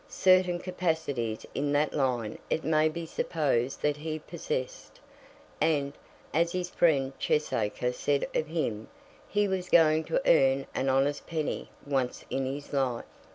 Certain capacities in that line it may be supposed that he possessed, and, as his friend Cheesacre said of him, he was going to earn an honest penny once in his life.